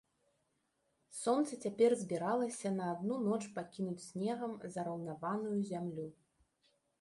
Сонца цяпер збіралася на адну ноч пакінуць снегам зараўнаваную зямлю.